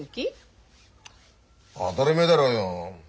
当たり前だろうよ。